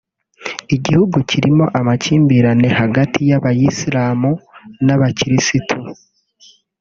igihugu kirimo amakimbira hagati y’Abayisilamu n’Abakirisitu